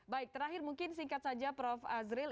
baik terakhir mungkin singkat saja prof azril